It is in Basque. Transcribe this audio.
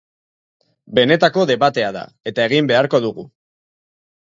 Benetako debatea da, eta egin beharko dugu.